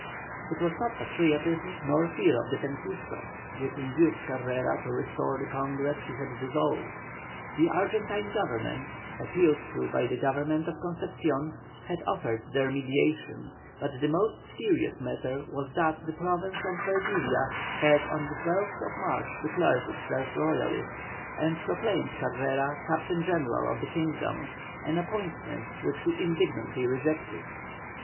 It was not patriotism nor fear of the Penquistos, which induced Carrera to restore the Congress he had dissolved; the Argentine Government, appealed to by the Government of Concepcion, had offered their mediation, but the most serious matter was that the province of Valdivia had on the 12th March declared itself Royalist, and proclaimed Carrera Captain General of the kingdom, an appointment which he indignantly rejected.